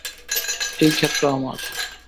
এই ক্ষেত্র আমার!